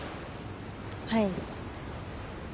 はい。